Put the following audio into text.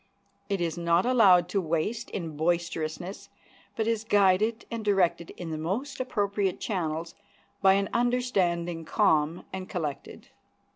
It is not allowed to waste in boisterousness, but is guided and directed in the most appropriate channels by an understanding calm and collected.